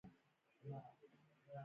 په دې جملو کې داسې خبرې او اعمال قید شوي.